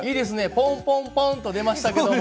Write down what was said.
ポンポンポンと出ましたけども。